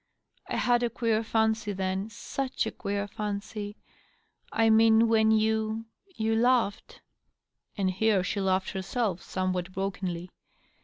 .. I had a queer fancy, then — such a queer fancy ! I mean when you .• you laughed.'' And here she laughed herself, somewhat brokenly.